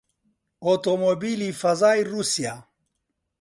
ئۆتۆمۆبیلی فەزای ڕووسیا